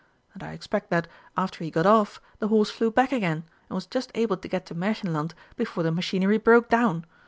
And I expect that, after he got off, the horse flew back again, and was just able to get to Märchenland before the machinery broke down.